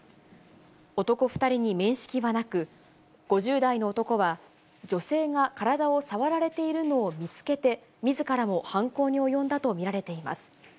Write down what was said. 男２人に面識はなく、５０代の男は、女性が体を触られているのを見つけて、みずからも犯行に及んだと見られています。